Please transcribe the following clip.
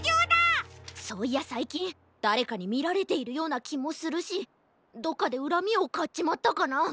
そういやさいきんだれかにみられているようなきもするしどっかでうらみをかっちまったかな？